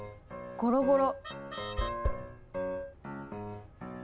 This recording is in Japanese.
ゴロゴロ！